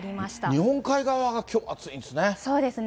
日本海側がきょう暑いんですね。